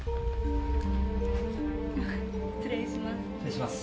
失礼します。